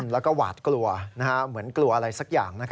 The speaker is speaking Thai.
แล้วก็หวาดกลัวเหมือนกลัวอะไรสักอย่าง